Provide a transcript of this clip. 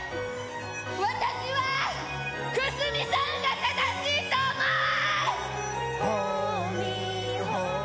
私は久須美さんが正しいと思う。